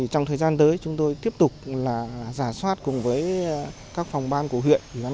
trong thời gian tới chúng tôi tiếp tục giả soát cùng với các phòng ban của huyện